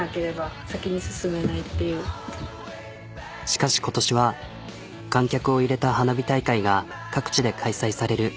しかし今年は観客を入れた花火大会が各地で開催される。